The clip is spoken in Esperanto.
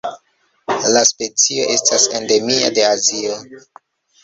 La specio estas endemia de Azio.